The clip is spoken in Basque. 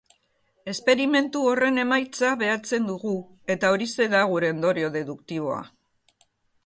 Esperimentu horren emaitza behatzen dugu, eta horixe da gure ondorio deduktiboa.